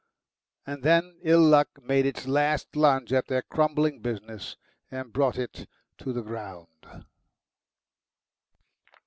And then ill luck made its last lunge at their crumbling business and brought it to the ground.